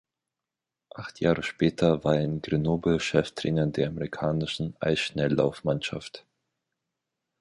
Acht Jahre später war er in Grenoble Cheftrainer der amerikanischen Eisschnelllauf-Mannschaft.